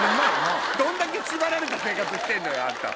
どんだけ縛られた生活してんのよあんた。